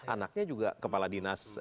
anaknya juga kepala dinas